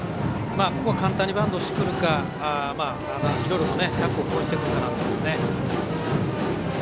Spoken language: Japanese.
ここは簡単にバントしてくるかいろいろと策を講じてくるかなんですけどね。